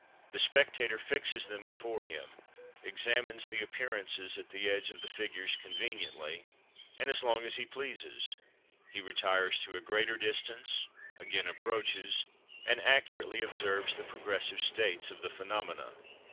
The spectator fixes them before him, examines the appearances at the edge of the figures conveniently, and as long as he pleases; he retires to a greater distance, again approaches, and accurately observes the progressive states of the phenomena.